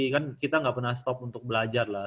kan kita nggak pernah stop untuk belajar lah